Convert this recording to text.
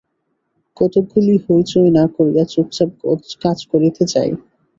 কতকগুলি হইচই না করিয়া চুপচাপ কাজ করিতে চাই।